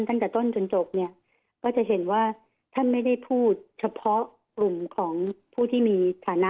ตั้งแต่ต้นจนจบเนี่ยก็จะเห็นว่าท่านไม่ได้พูดเฉพาะกลุ่มของผู้ที่มีฐานะ